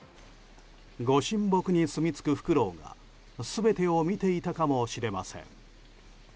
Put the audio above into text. ご神木に住み着くフクロウが全てを見ていたかもしれません。